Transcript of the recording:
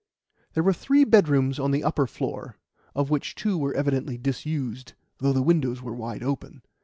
There were three bedrooms on the upper floor, of which two were evidently disused, though the windows were wide open.